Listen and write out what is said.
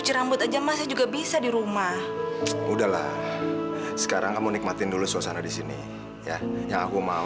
sampai jumpa di video selanjutnya